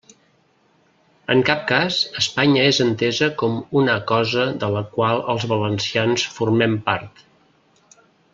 En cap cas Espanya és entesa com una cosa de la qual els valencians formen part.